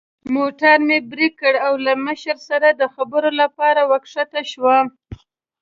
موټر مې برېک کړ او له مشرې سره د خبرو لپاره ور کښته شوم.